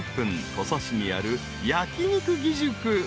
［土佐市にある焼肉義塾］